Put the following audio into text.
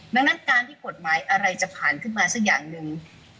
ดังนั้นการที่กฎหมายอะไรจะผ่านขึ้นมาสักอย่างหนึ่ง